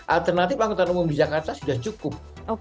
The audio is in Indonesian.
alternatif angkutan umum di jakarta sudah cukup